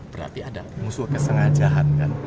berarti ada musuh kesengajaan kan